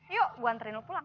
yuk gue anterin lo pulang